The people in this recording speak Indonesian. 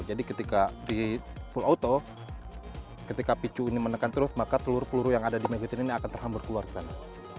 jadi ketika di full auto ketika picu ini menekan terus maka seluruh peluru yang ada di magazine ini akan terhambur keluar ke sana